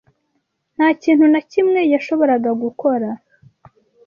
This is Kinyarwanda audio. Nta kintu na kimwe yashoboraga gukora.